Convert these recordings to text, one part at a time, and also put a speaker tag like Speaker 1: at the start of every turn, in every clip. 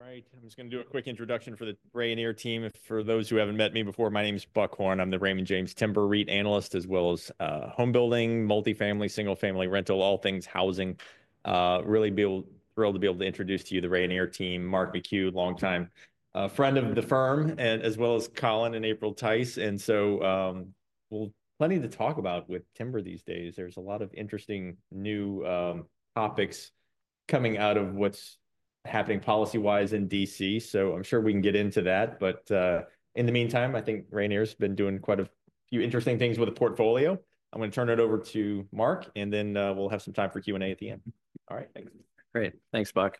Speaker 1: Right. I'm just going to do a quick introduction for the Rayonier team. For those who haven't met me before, my name is Buck Horne. I'm the Raymond James Timber REIT analyst, as well as home building, multifamily, single-family rental, all things housing. Really be able to introduce to you the Rayonier team. Mark McHugh, long time friend of the firm, and as well as Collin and April Tice. And so, well, plenty to talk about with timber these days. There's a lot of interesting new topics coming out of what's happening policy-wise in D.C. So I'm sure we can get into that. But in the meantime, I think Rayonier has been doing quite a few interesting things with a portfolio. I'm going to turn it over to Mark, and then we'll have some time for Q&A at the end. All right. Thanks.
Speaker 2: Great. Thanks, Buck.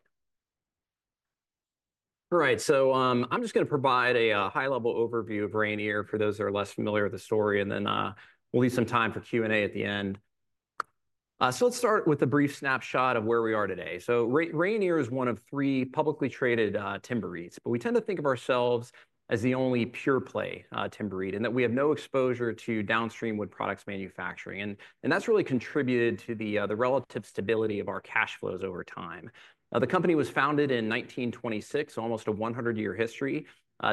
Speaker 2: All right. So, I'm just going to provide a high-level overview of Rayonier for those that are less familiar with the story, and then, we'll leave some time for Q&A at the end. So let's start with a brief snapshot of where we are today. So Rayonier is one of three publicly traded timber REITs, but we tend to think of ourselves as the only pure-play timber REIT and that we have no exposure to downstream wood products manufacturing. And that's really contributed to the relative stability of our cash flows over time. The company was founded in 1926, almost a 100-year history.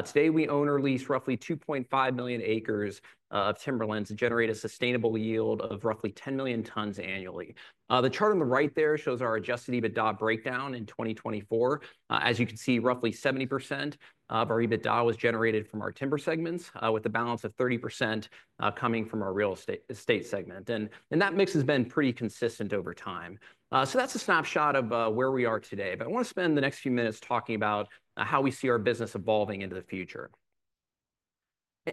Speaker 2: Today we own or lease roughly 2.5 million acres of timberlands and generate a sustainable yield of roughly 10 million tons annually. The chart on the right there shows our adjusted EBITDA breakdown in 2024. As you can see, roughly 70% of our EBITDA was generated from our timber segments, with a balance of 30% coming from our real estate segment. And that mix has been pretty consistent over time. So that's a snapshot of where we are today. But I want to spend the next few minutes talking about how we see our business evolving into the future.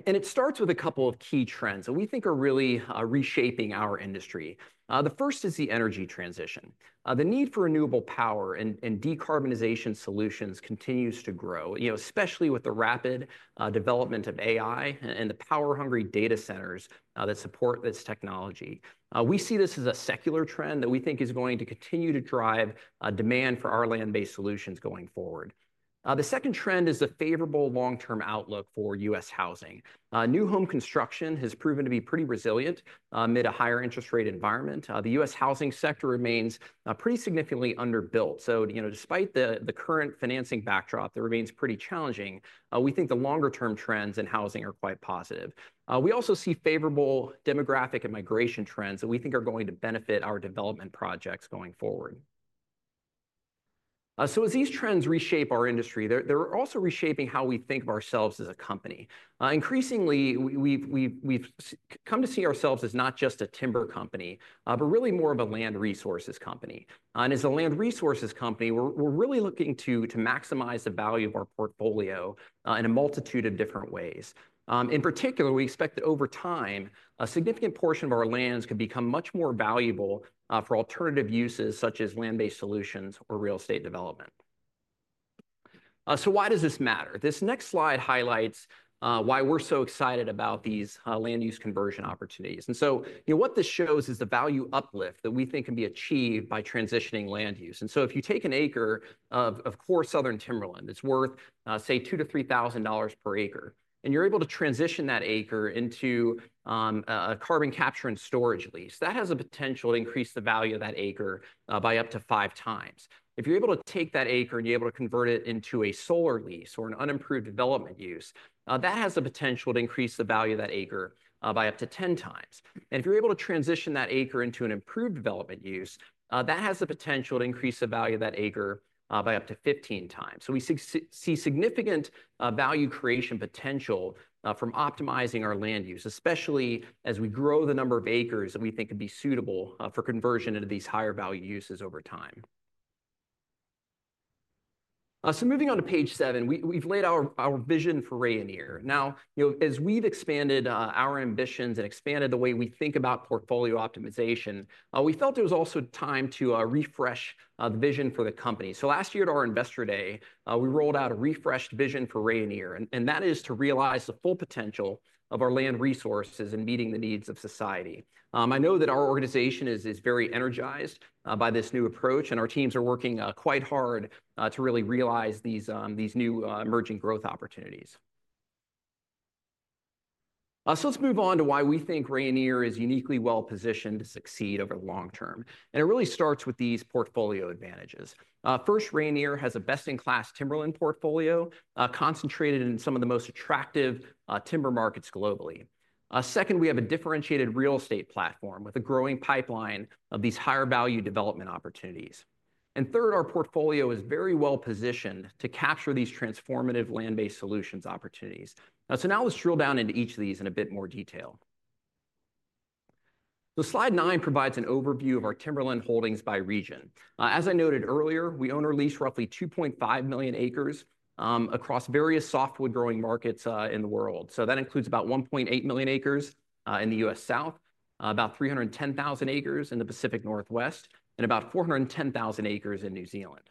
Speaker 2: And it starts with a couple of key trends that we think are really reshaping our industry. The first is the energy transition. The need for renewable power and decarbonization solutions continues to grow, you know, especially with the rapid development of AI and the power-hungry data centers that support this technology. We see this as a secular trend that we think is going to continue to drive demand for our land-based solutions going forward. The second trend is the favorable long-term outlook for U.S. housing. New home construction has proven to be pretty resilient, amid a higher interest rate environment. The U.S. housing sector remains pretty significantly underbuilt. So, you know, despite the current financing backdrop, it remains pretty challenging. We think the longer-term trends in housing are quite positive. We also see favorable demographic and migration trends that we think are going to benefit our development projects going forward. So as these trends reshape our industry, they're also reshaping how we think of ourselves as a company. Increasingly, we've come to see ourselves as not just a timber company, but really more of a land resources company. And as a land resources company, we're really looking to maximize the value of our portfolio, in a multitude of different ways. In particular, we expect that over time, a significant portion of our lands could become much more valuable, for alternative uses such as land-based solutions or real estate development. So why does this matter? This next slide highlights why we're so excited about these land use conversion opportunities. And so, you know, what this shows is the value uplift that we think can be achieved by transitioning land use. And so if you take an acre of core southern timberland, it's worth, say, $2,000-$3,000 per acre, and you're able to transition that acre into a carbon capture and storage lease, that has the potential to increase the value of that acre, by up to 5x. If you're able to take that acre and you're able to convert it into a solar lease or an unimproved development use, that has the potential to increase the value of that acre by up to 10x. And if you're able to transition that acre into an improved development use, that has the potential to increase the value of that acre by up to 15x. So we see significant value creation potential from optimizing our land use, especially as we grow the number of acres that we think would be suitable for conversion into these higher value uses over time. So moving on to page seven, we've laid out our vision for Rayonier. Now, you know, as we've expanded our ambitions and expanded the way we think about portfolio optimization, we felt it was also time to refresh the vision for the company. So last year at our investor day, we rolled out a refreshed vision for Rayonier, and that is to realize the full potential of our land resources and meeting the needs of society. I know that our organization is very energized by this new approach, and our teams are working quite hard to really realize these new emerging growth opportunities. So let's move on to why we think Rayonier is uniquely well-positioned to succeed over the long-term. And it really starts with these portfolio advantages. First, Rayonier has a best-in-class timberland portfolio, concentrated in some of the most attractive timber markets globally. Second, we have a differentiated real estate platform with a growing pipeline of these higher value development opportunities. And third, our portfolio is very well-positioned to capture these transformative land-based solutions opportunities. Now, so now let's drill down into each of these in a bit more detail. So Slide 9 provides an overview of our timberland holdings by region. As I noted earlier, we own or lease roughly 2.5 million acres, across various softwood growing markets, in the world. So that includes about 1.8 million acres, in the U.S. South, about 310,000 acres in the Pacific Northwest, and about 410,000 acres in New Zealand.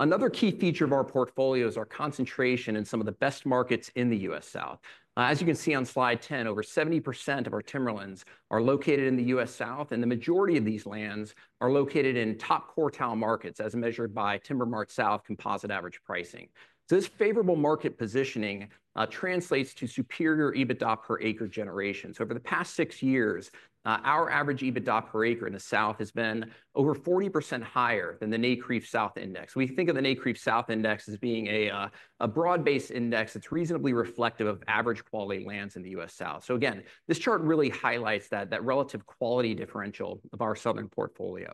Speaker 2: Another key feature of our portfolio is our concentration in some of the best markets in the U.S. South. As you can see on Slide 10, over 70% of our timberlands are located in the U.S. South, and the majority of these lands are located in top quartile markets, as measured by TimberMart-South composite average pricing. So this favorable market positioning, translates to superior EBITDA per acre generation. Over the past six years, our average EBITDA per acre in the South has been over 40% higher than the NCREIF South Index. We think of the NCREIF South Index as being a broad-based index that's reasonably reflective of average quality lands in the U.S. South. Again, this chart really highlights that relative quality differential of our southern portfolio.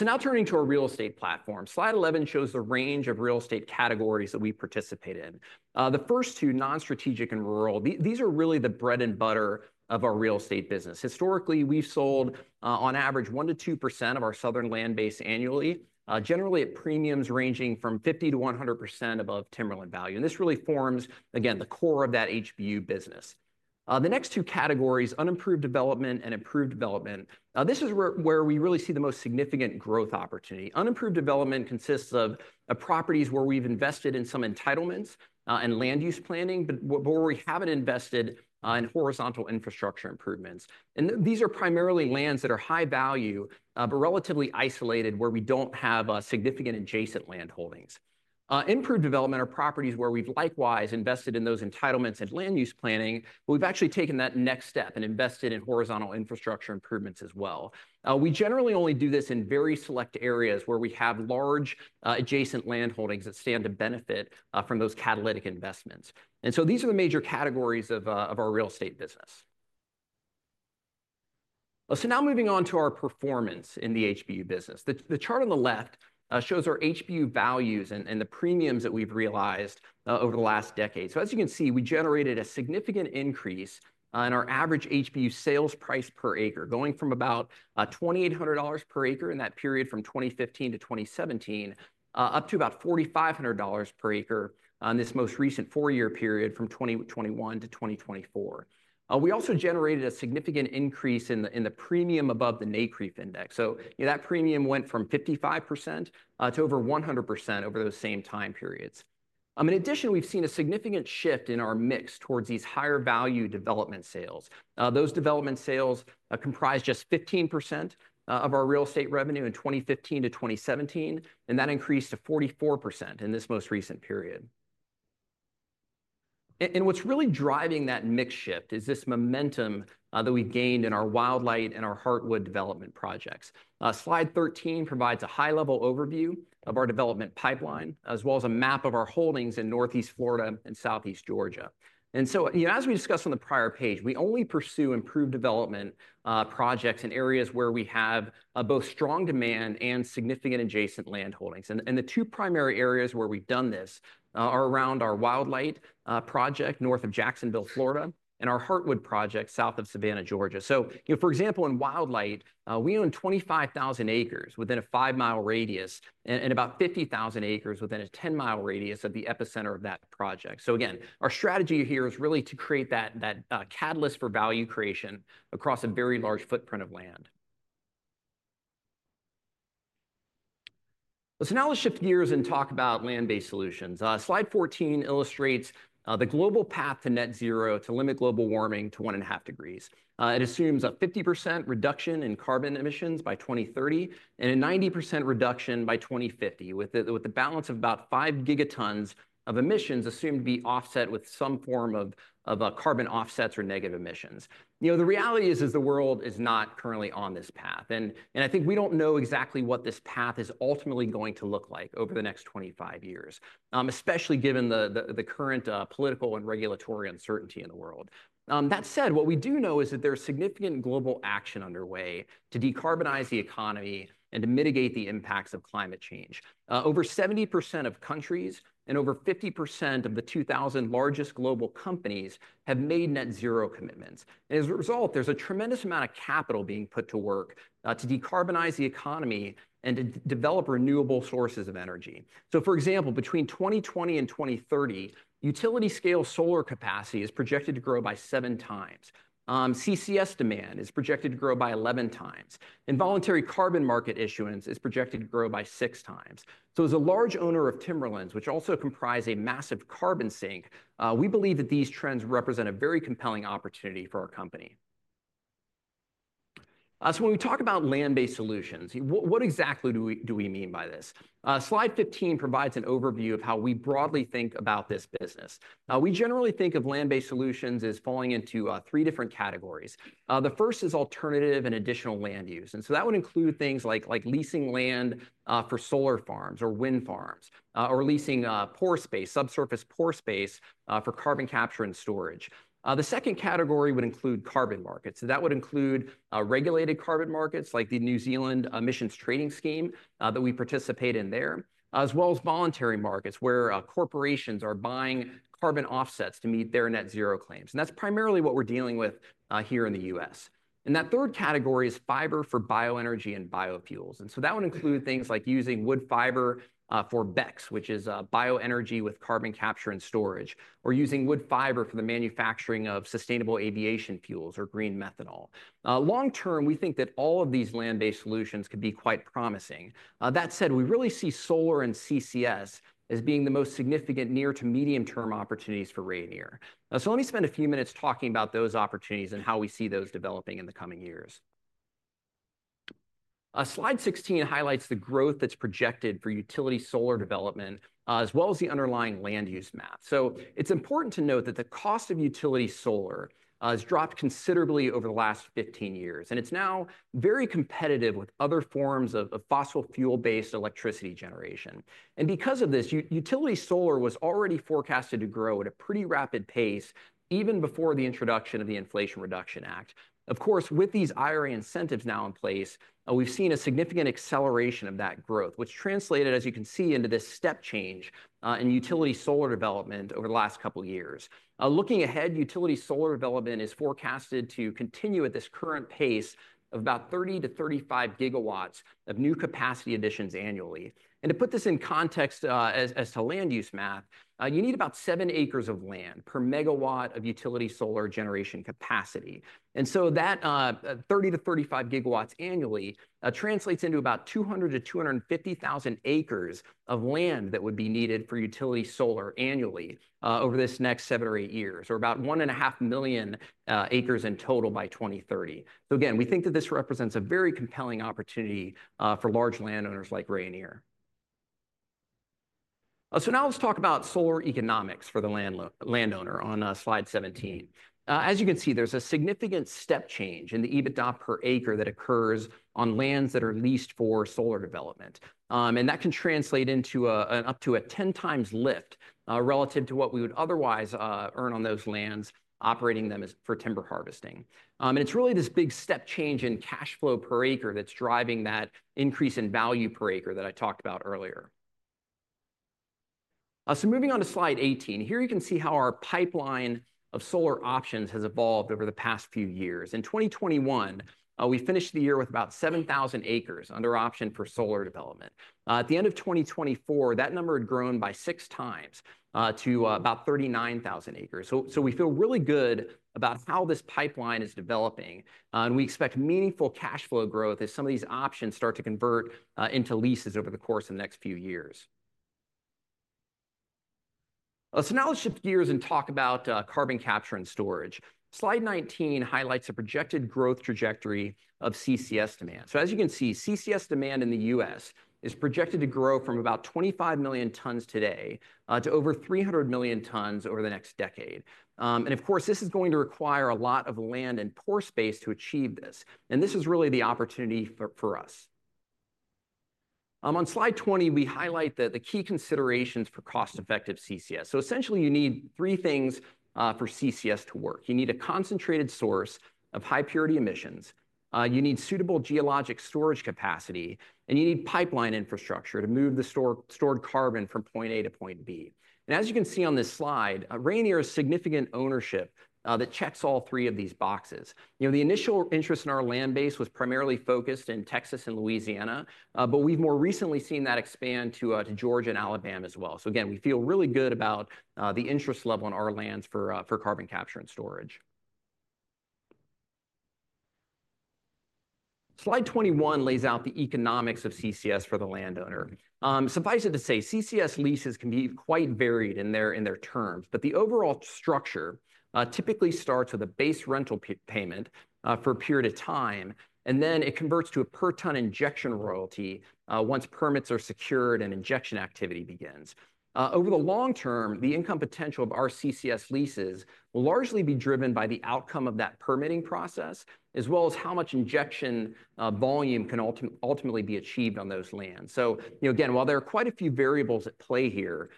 Speaker 2: Now turning to our real estate platform, Slide 11 shows the range of real estate categories that we participate in. The first two, non-strategic and rural, these are really the bread and butter of our real estate business. Historically, we've sold, on average, 1%-2% of our southern land base annually, generally at premiums ranging from 50%-100% above timberland value. This really forms, again, the core of that HBU business. The next two categories, unimproved development and improved development, this is where we really see the most significant growth opportunity. Unimproved development consists of properties where we've invested in some entitlements and land use planning, but where we haven't invested in horizontal infrastructure improvements. And these are primarily lands that are high value, but relatively isolated where we don't have significant adjacent land holdings. Improved development are properties where we've likewise invested in those entitlements and land use planning, but we've actually taken that next step and invested in horizontal infrastructure improvements as well. We generally only do this in very select areas where we have large adjacent land holdings that stand to benefit from those catalytic investments. And so these are the major categories of our real estate business. So now moving on to our performance in the HBU business. The chart on the left shows our HBU values and the premiums that we've realized over the last decade. So as you can see, we generated a significant increase in our average HBU sales price per acre, going from about $2,800 per acre in that period from 2015 to 2017, up to about $4,500 per acre in this most recent four-year period from 2021 to 2024. We also generated a significant increase in the premium above the NCREIF Index. So, you know, that premium went from 55% to over 100% over those same time periods. In addition, we've seen a significant shift in our mix towards these higher value development sales. Those development sales comprised just 15% of our real estate revenue in 2015 to 2017, and that increased to 44% in this most recent period. What's really driving that mix shift is this momentum that we've gained in our Wildlight and our Heartwood development projects. Slide 13 provides a high-level overview of our development pipeline, as well as a map of our holdings in northeast Florida and southeast Georgia. You know, as we discussed on the prior page, we only pursue improved development projects in areas where we have both strong demand and significant adjacent land holdings. The two primary areas where we've done this are around our Wildlight project north of Jacksonville, Florida, and our Heartwood project south of Savannah, Georgia. You know, for example, in Wildlight, we own 25,000 acres within a five-mile radius and about 50,000 acres within a 10-mile radius of the epicenter of that project. So again, our strategy here is really to create that catalyst for value creation across a very large footprint of land. Now let's shift gears and talk about land-based solutions. Slide 14 illustrates the global path to net zero to limit global warming to one and a half degrees. It assumes a 50% reduction in carbon emissions by 2030 and a 90% reduction by 2050 with the balance of about five gigatons of emissions assumed to be offset with some form of carbon offsets or negative emissions. You know, the reality is the world is not currently on this path. And I think we don't know exactly what this path is ultimately going to look like over the next 25 years, especially given the current political and regulatory uncertainty in the world. That said, what we do know is that there's significant global action underway to decarbonize the economy and to mitigate the impacts of climate change. Over 70% of countries and over 50% of the 2000 largest global companies have made net zero commitments, and as a result, there's a tremendous amount of capital being put to work to decarbonize the economy and to develop renewable sources of energy, so for example, between 2020 and 2030, utility-scale solar capacity is projected to grow by seven times. CCS demand is projected to grow by 11x. Voluntary carbon market issuance is projected to grow by 6x, so as a large owner of timberlands, which also comprise a massive carbon sink, we believe that these trends represent a very compelling opportunity for our company, so when we talk about land-based solutions, what exactly do we mean by this? Slide 15 provides an overview of how we broadly think about this business. We generally think of land-based solutions as falling into three different categories. The first is alternative and additional land use, and so that would include things like leasing land for solar farms or wind farms or leasing pore space, subsurface pore space, for carbon capture and storage. The second category would include carbon markets, and that would include regulated carbon markets like the New Zealand Emissions Trading Scheme that we participate in there, as well as voluntary markets where corporations are buying carbon offsets to meet their net zero claims. And that's primarily what we're dealing with here in the U.S., and that third category is fiber for bioenergy and biofuels. And so that would include things like using wood fiber for BECCS, which is Bioenergy with Carbon Capture and Storage, or using wood fiber for the manufacturing of sustainable aviation fuels or green methanol. Long-term, we think that all of these land-based solutions could be quite promising. That said, we really see solar and CCS as being the most significant near- to medium-term opportunities for Rayonier. So let me spend a few minutes talking about those opportunities and how we see those developing in the coming years. Slide 16 highlights the growth that's projected for utility solar development, as well as the underlying land use map. So it's important to note that the cost of utility solar has dropped considerably over the last 15 years, and it's now very competitive with other forms of fossil fuel-based electricity generation. And because of this, utility solar was already forecasted to grow at a pretty rapid pace, even before the introduction of the Inflation Reduction Act. Of course, with these IRA incentives now in place, we've seen a significant acceleration of that growth, which translated, as you can see, into this step change in utility solar development over the last couple of years. Looking ahead, utility solar development is forecasted to continue at this current pace of about 30 GW-35 GW of new capacity additions annually. And to put this in context, as to land use map, you need about seven acres of land per MW of utility solar generation capacity. And so that 30 GW-35 GW annually translates into about 200,000-250,000 acres of land that would be needed for utility solar annually over this next seven or eight years, or about 1.5 million acres in total by 2030. So again, we think that this represents a very compelling opportunity for large landowners like Rayonier. So now let's talk about solar economics for the landowner on Slide 17. As you can see, there's a significant step change in the EBITDA per acre that occurs on lands that are leased for solar development. And that can translate into an up to ten times lift relative to what we would otherwise earn on those lands operating them as for timber harvesting. And it's really this big step change in cash flow per acre that's driving that increase in value per acre that I talked about earlier. So moving on to Slide 18, here you can see how our pipeline of solar options has evolved over the past few years. In 2021, we finished the year with about 7,000 acres under option for solar development. At the end of 2024, that number had grown by 6x to about 39,000 acres. So we feel really good about how this pipeline is developing. And we expect meaningful cash flow growth as some of these options start to convert into leases over the course of the next few years. So now let's shift gears and talk about carbon capture and storage. Slide 19 highlights a projected growth trajectory of CCS demand. So, as you can see, CCS demand in the U.S. Is projected to grow from about 25 million tons today to over 300 million tons over the next decade, and of course, this is going to require a lot of land and pore space to achieve this. This is really the opportunity for us. On Slide 20, we highlight that the key considerations for cost-effective CCS. So essentially, you need three things for CCS to work. You need a concentrated source of high-purity emissions. You need suitable geologic storage capacity, and you need pipeline infrastructure to move the stored carbon from point A to point B. As you can see on this slide, Rayonier has significant ownership that checks all three of these boxes. You know, the initial interest in our land base was primarily focused in Texas and Louisiana, but we've more recently seen that expand to Georgia and Alabama as well. So again, we feel really good about the interest level in our lands for carbon capture and storage. Slide 21 lays out the economics of CCS for the landowner. Suffice it to say, CCS leases can be quite varied in their terms, but the overall structure typically starts with a base rental payment for a period of time, and then it converts to a per-ton injection royalty once permits are secured and injection activity begins. Over the long-term, the income potential of our CCS leases will largely be driven by the outcome of that permitting process, as well as how much injection volume can ultimately be achieved on those lands. So, you know, again, while there are quite a few variables at play here,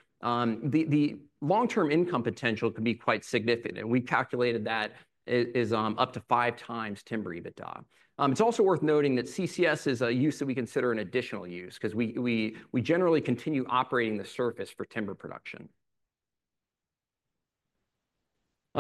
Speaker 2: the long-term income potential can be quite significant. And we calculated that it is up to five times timber EBITDA. It's also worth noting that CCS is a use that we consider an additional use because we generally continue operating the surface for timber production.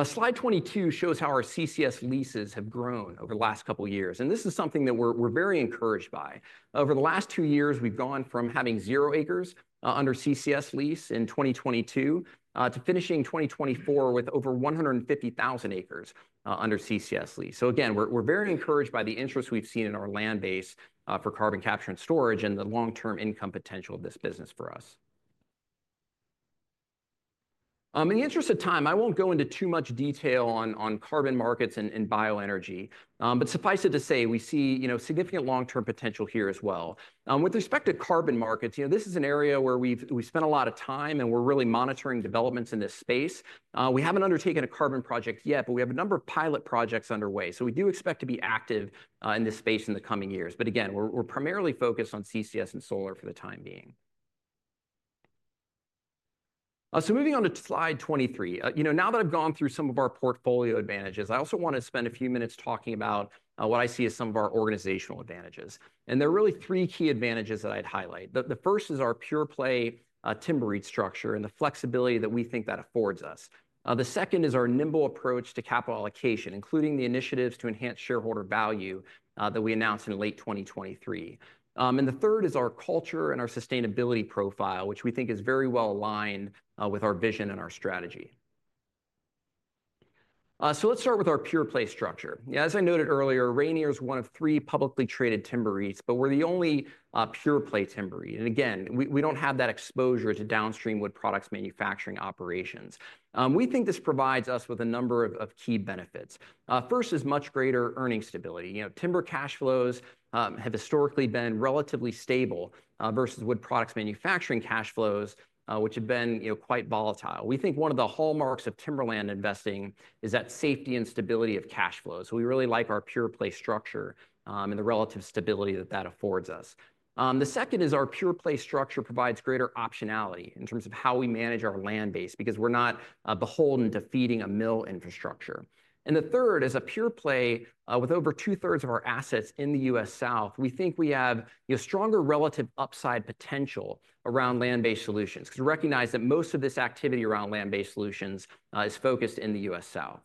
Speaker 2: Slide 22 shows how our CCS leases have grown over the last couple of years. This is something that we're very encouraged by. Over the last two years, we've gone from having zero acres under CCS lease in 2022 to finishing 2024 with over 150,000 acres under CCS lease. Again, we're very encouraged by the interest we've seen in our land base for carbon capture and storage and the long-term income potential of this business for us. In the interest of time, I won't go into too much detail on carbon markets and bioenergy. Suffice it to say, we see you know significant long-term potential here as well. With respect to carbon markets, you know, this is an area where we've spent a lot of time and we're really monitoring developments in this space. We haven't undertaken a carbon project yet, but we have a number of pilot projects underway. So we do expect to be active in this space in the coming years. But again, we're primarily focused on CCS and solar for the time being. So moving on to Slide 23, you know, now that I've gone through some of our portfolio advantages, I also want to spend a few minutes talking about what I see as some of our organizational advantages. And there are really three key advantages that I'd highlight. The first is our pure play timber REIT structure and the flexibility that we think that affords us. The second is our nimble approach to capital allocation, including the initiatives to enhance shareholder value that we announced in late 2023, and the third is our culture and our sustainability profile, which we think is very well aligned with our vision and our strategy, so let's start with our pure-play structure. As I noted earlier, Rayonier is one of three publicly traded timber REITs, but we're the only pure-play timber REIT, and again, we don't have that exposure to downstream wood products manufacturing operations. We think this provides us with a number of key benefits. First is much greater earnings stability. You know, timber cash flows have historically been relatively stable versus wood products manufacturing cash flows, which have been, you know, quite volatile. We think one of the hallmarks of timberland investing is that safety and stability of cash flows. So we really like our pure play structure, and the relative stability that that affords us. The second is our pure play structure provides greater optionality in terms of how we manage our land base because we're not beholden to feeding a mill infrastructure. And the third is a pure play, with over two-thirds of our assets in the U.S. South. We think we have, you know, stronger relative upside potential around land-based solutions because we recognize that most of this activity around land-based solutions is focused in the U.S. South.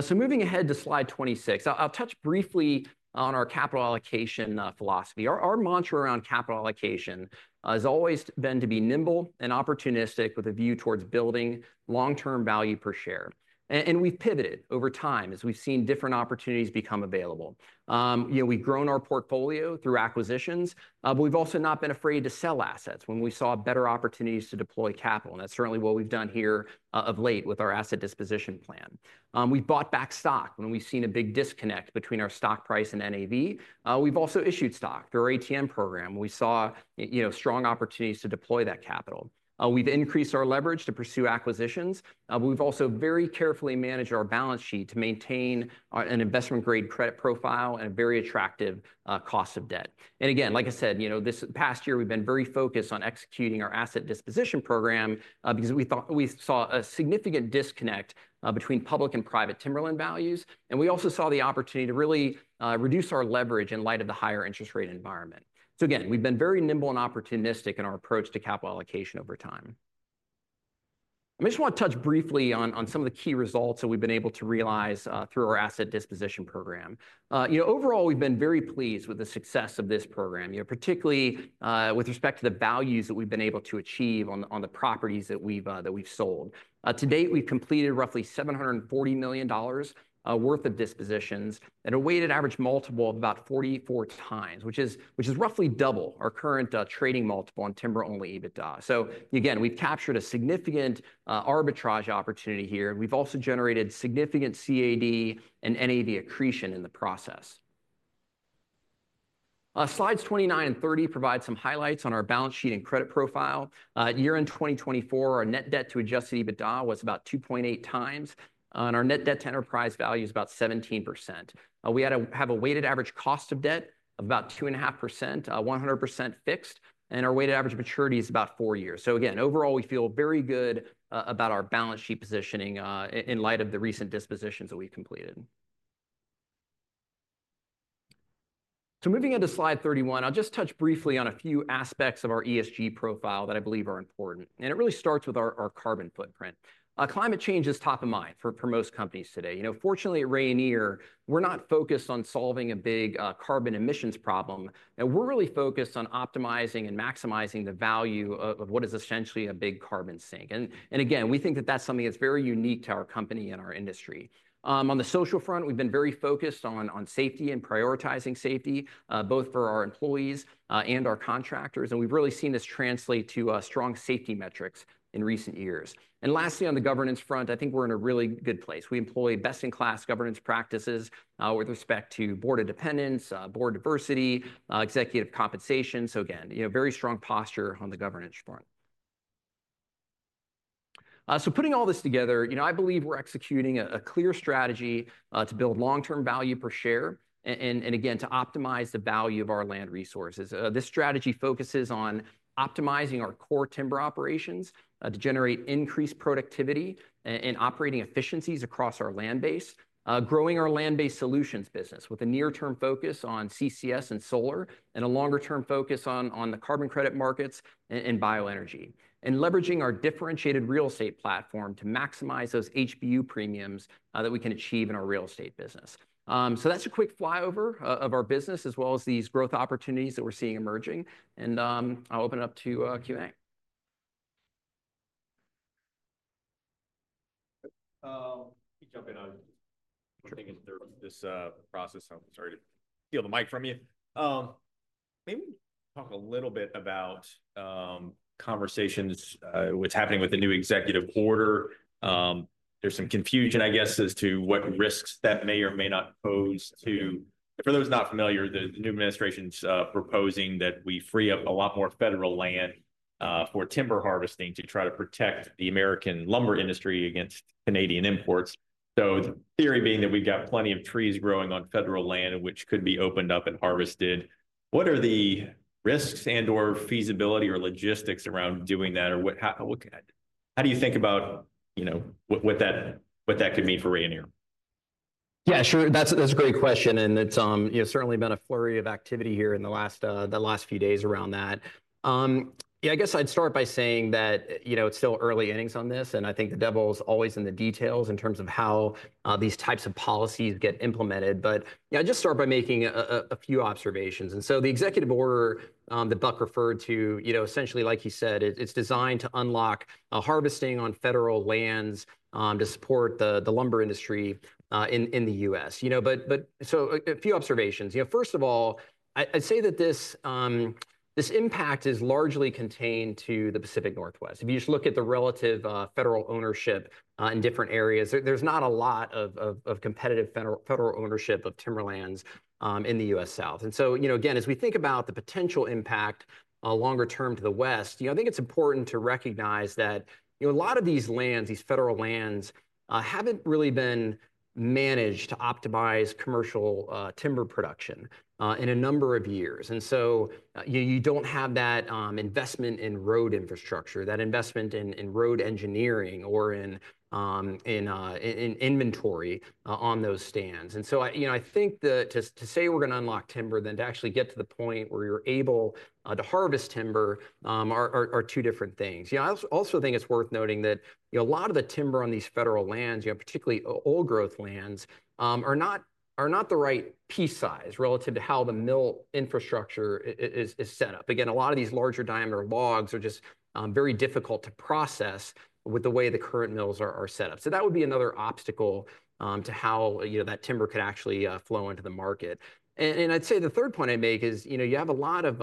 Speaker 2: So moving ahead to Slide 26, I'll touch briefly on our capital allocation philosophy. Our mantra around capital allocation has always been to be nimble and opportunistic with a view towards building long-term value per share. And we've pivoted over time as we've seen different opportunities become available. You know, we've grown our portfolio through acquisitions, but we've also not been afraid to sell assets when we saw better opportunities to deploy capital. And that's certainly what we've done here, of late, with our asset disposition plan. We've bought back stock when we've seen a big disconnect between our stock price and NAV. We've also issued stock through our ATM program. We saw, you know, strong opportunities to deploy that capital. We've increased our leverage to pursue acquisitions. We've also very carefully managed our balance sheet to maintain an investment-grade credit profile and a very attractive cost of debt. And again, like I said, you know, this past year we've been very focused on executing our asset disposition program, because we thought we saw a significant disconnect between public and private timberland values. And we also saw the opportunity to really reduce our leverage in light of the higher interest rate environment. So again, we've been very nimble and opportunistic in our approach to capital allocation over time. I just want to touch briefly on some of the key results that we've been able to realize through our asset disposition program. You know, overall, we've been very pleased with the success of this program, you know, particularly with respect to the values that we've been able to achieve on the properties that we've sold. To date, we've completed roughly $740 million worth of dispositions at a weighted average multiple of about 44 times, which is roughly double our current trading multiple on timber-only EBITDA. So again, we've captured a significant arbitrage opportunity here. We've also generated significant CAD and NAV accretion in the process. Slides 29 and 30 provide some highlights on our balance sheet and credit profile. In 2024, our net debt to adjusted EBITDA was about 2.8x, and our net debt to enterprise value is about 17%. We have a weighted average cost of debt of about 2.5%, 100% fixed, and our weighted average maturity is about four years. So again, overall, we feel very good about our balance sheet positioning, in light of the recent dispositions that we've completed. So moving on to Slide 31, I'll just touch briefly on a few aspects of our ESG profile that I believe are important. It really starts with our carbon footprint. Climate change is top of mind for most companies today. You know, fortunately at Rayonier, we're not focused on solving a big carbon emissions problem. And we're really focused on optimizing and maximizing the value of what is essentially a big carbon sink. And again, we think that that's something that's very unique to our company and our industry. On the social front, we've been very focused on safety and prioritizing safety, both for our employees and our contractors. And we've really seen this translate to strong safety metrics in recent years. And lastly, on the governance front, I think we're in a really good place. We employ best-in-class governance practices, with respect to board independence, board diversity, executive compensation. So again, you know, very strong posture on the governance front. So putting all this together, you know, I believe we're executing a clear strategy to build long-term value per share and again to optimize the value of our land resources. This strategy focuses on optimizing our core timber operations to generate increased productivity and operating efficiencies across our land base, growing our land-based solutions business with a near-term focus on CCS and solar and a longer-term focus on the carbon credit markets and bioenergy and leveraging our differentiated real estate platform to maximize those HBU premiums that we can achieve in our real estate business. That's a quick flyover of our business as well as these growth opportunities that we're seeing emerging. I'll open it up to Q&A.
Speaker 1: Let me jump in on one thing. Is there this process. I'm sorry to steal the mic from you. Maybe talk a little bit about conversations, what's happening with the new executive order. There's some confusion, I guess, as to what risks that may or may not pose to, for those not familiar, the new administration's proposing that we free up a lot more federal land for timber harvesting to try to protect the American lumber industry against Canadian imports. So the theory being that we've got plenty of trees growing on federal land, which could be opened up and harvested. What are the risks and/or feasibility or logistics around doing that? Or how do you think about, you know, what that could mean for Rayonier?
Speaker 2: Yeah, sure. That's a great question. And it's, you know, certainly been a flurry of activity here in the last few days around that. Yeah, I guess I'd start by saying that, you know, it's still early innings on this, and I think the devil's always in the details in terms of how these types of policies get implemented, but you know, I'd just start by making a few observations, and so the executive order that Buck referred to, you know, essentially, like he said, it's designed to unlock harvesting on federal lands to support the lumber industry in the U.S., you know, but so a few observations, you know, first of all, I'd say that this impact is largely contained to the Pacific Northwest. If you just look at the relative federal ownership in different areas, there's not a lot of competitive federal ownership of timberlands in the U.S. South. And so, you know, again, as we think about the potential impact longer term to the West, you know, I think it's important to recognize that, you know, a lot of these lands, these federal lands, haven't really been managed to optimize commercial timber production in a number of years. And so, you know, you don't have that investment in road infrastructure, that investment in road engineering or in inventory on those stands. And so, you know, I think to say we're going to unlock timber, then to actually get to the point where you're able to harvest timber, are two different things. You know, I also think it's worth noting that, you know, a lot of the timber on these federal lands, you know, particularly old growth lands, are not the right piece size relative to how the mill infrastructure is set up. Again, a lot of these larger diameter logs are just very difficult to process with the way the current mills are set up. So that would be another obstacle to how, you know, that timber could actually flow into the market. And I'd say the third point I make is, you know, you have a lot of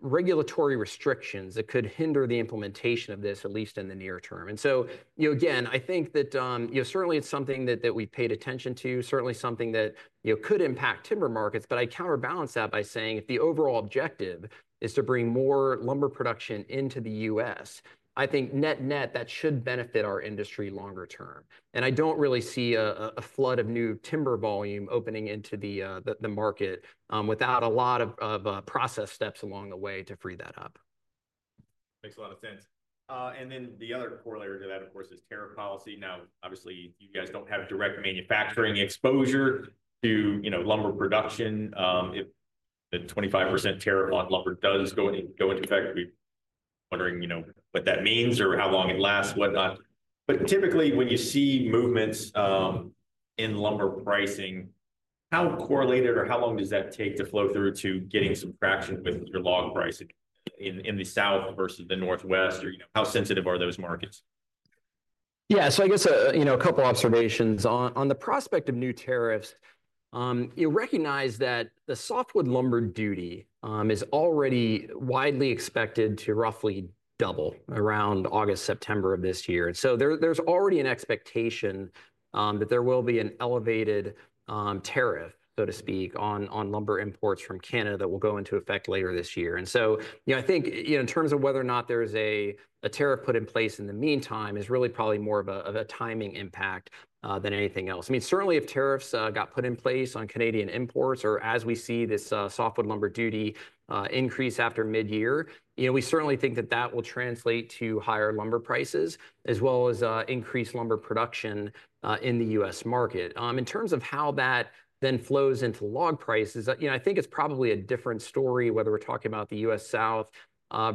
Speaker 2: regulatory restrictions that could hinder the implementation of this, at least in the near term. And so, you know, again, I think that, you know, certainly it's something that we've paid attention to, certainly something that, you know, could impact timber markets. But I counterbalance that by saying if the overall objective is to bring more lumber production into the U.S., I think net-net that should benefit our industry longer term. And I don't really see a flood of new timber volume opening into the market, without a lot of process steps along the way to free that up.
Speaker 1: Makes a lot of sense. And then the other corollary to that, of course, is tariff policy. Now, obviously, you guys don't have direct manufacturing exposure to, you know, lumber production. If the 25% tariff on lumber does go into effect, we're wondering, you know, what that means or how long it lasts, whatnot. But typically, when you see movements in lumber pricing, how correlated or how long does that take to flow through to getting some traction with your log pricing in the South versus the Northwest? Or, you know, how sensitive are those markets?
Speaker 2: Yeah. So I guess, you know, a couple observations on the prospect of new tariffs. You recognize that the softwood lumber duty is already widely expected to roughly double around August, September of this year. And so there, there's already an expectation that there will be an elevated tariff, so to speak, on lumber imports from Canada that will go into effect later this year. And so, you know, I think, you know, in terms of whether or not there is a tariff put in place in the meantime is really probably more of a timing impact than anything else. I mean, certainly if tariffs got put in place on Canadian imports or as we see this softwood lumber duty increase after mid-year, you know, we certainly think that that will translate to higher lumber prices as well as increased lumber production in the U.S. market. In terms of how that then flows into log prices, you know, I think it's probably a different story whether we're talking about the U.S. South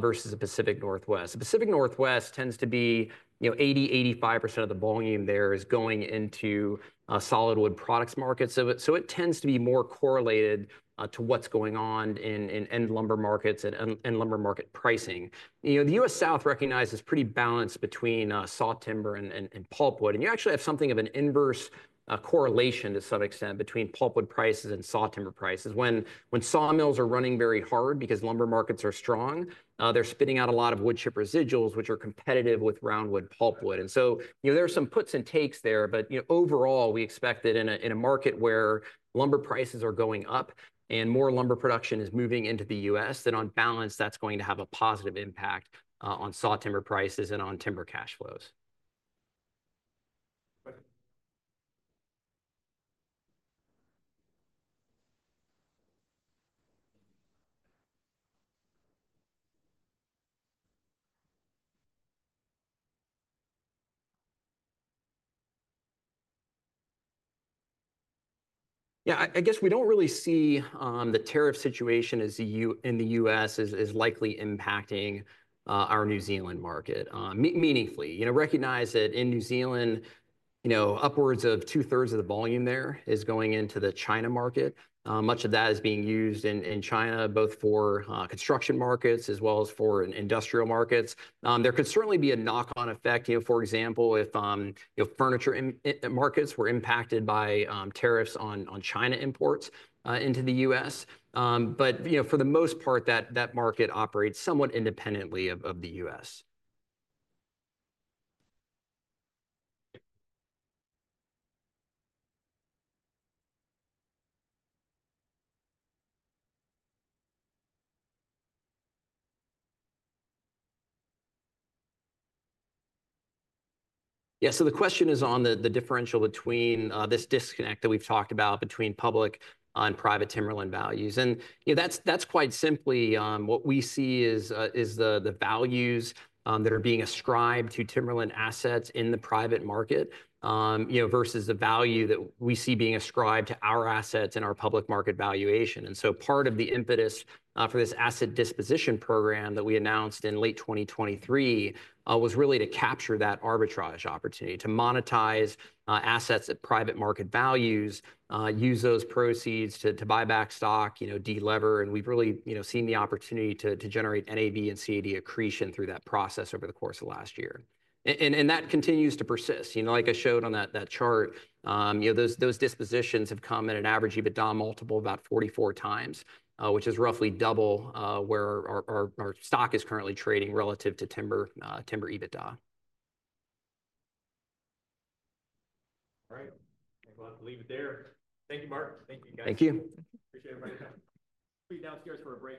Speaker 2: versus the Pacific Northwest. The Pacific Northwest tends to be, you know, 80%-85% of the volume there is going into solid wood products markets. So it tends to be more correlated to what's going on in lumber markets and lumber market pricing. You know, the U.S. South recognizes pretty balanced between sawtimber and pulpwood. You actually have something of an inverse correlation to some extent between pulpwood prices and sawtimber prices. When sawmills are running very hard because lumber markets are strong, they're spitting out a lot of wood chip residuals, which are competitive with roundwood pulpwood. And so, you know, there are some puts and takes there. But, you know, overall, we expect that in a market where lumber prices are going up and more lumber production is moving into the U.S., that on balance, that's going to have a positive impact on sawtimber prices and on timber cash flows. Yeah, I guess we don't really see the tariff situation as it is in the U.S. is likely impacting our New Zealand market meaningfully. You know, we recognize that in New Zealand, you know, upwards of two-thirds of the volume there is going into the China market. Much of that is being used in China, both for construction markets as well as for industrial markets. There could certainly be a knock-on effect, you know, for example, if you know, furniture markets were impacted by tariffs on China imports into the U.S. But you know, for the most part, that market operates somewhat independently of the U.S. Yeah. So the question is on the differential between this disconnect that we've talked about between public and private timberland values, and you know, that's quite simply what we see is the values that are being ascribed to timberland assets in the private market, you know, versus the value that we see being ascribed to our assets and our public market valuation. And so part of the impetus for this asset disposition program that we announced in late 2023 was really to capture that arbitrage opportunity to monetize assets at private market values, use those proceeds to buy back stock, you know, delever. And we've really, you know, seen the opportunity to generate NAV and CAD accretion through that process over the course of last year. And that continues to persist. You know, like I showed on that chart, you know, those dispositions have come at an average EBITDA multiple of about 44x, which is roughly double where our stock is currently trading relative to timber EBITDA.
Speaker 1: All right. I'll leave it there. Thank you, Mark. Thank you, guys.
Speaker 2: Thank you.
Speaker 1: Appreciate everybody. Downstairs for a break.